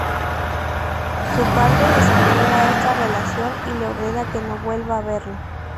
Su padre desaprueba esta relación y le ordena que no vuelva a verlo.